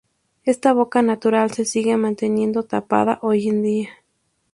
Esta boca natural se sigue manteniendo tapada hoy en día.